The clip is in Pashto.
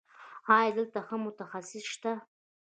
ایا دلته ښه متخصص شته؟